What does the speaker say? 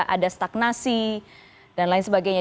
ada stagnasi dan lain sebagainya